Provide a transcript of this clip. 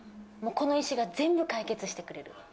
もうこの石が全部解決してくれる。